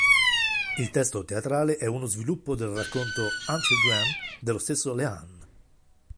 Il testo teatrale è uno sviluppo del racconto "Until Gwen" dello stesso Lehane.